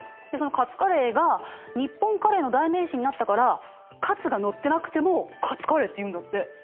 そのカツカレーが日本カレーの代名詞になったからカツが載ってなくてもカツカレーっていうんだって。